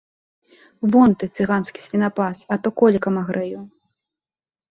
Вон ты, цыганскі свінапас, а то колікам агрэю.